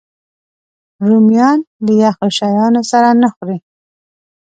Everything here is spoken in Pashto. رومیان له یخو شیانو سره نه خوري